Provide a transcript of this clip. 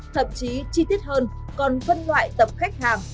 thậm chí chi tiết hơn còn phân loại tập khách hàng